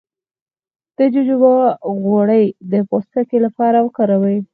د جوجوبا غوړي د پوستکي لپاره وکاروئ